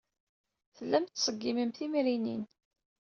Tellam tettṣeggimem timrinin.